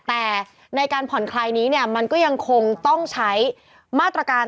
แต่ในการผ่อนคลายนี้เนี่ยมันก็ยังคงต้องใช้มาตรการ